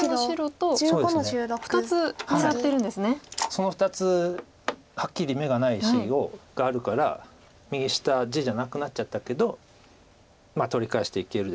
その２つはっきり眼がない石があるから右下地じゃなくなっちゃったけど取り返していけるでしょうと言っています。